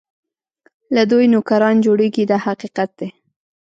له دوی نوکران جوړېږي دا حقیقت دی.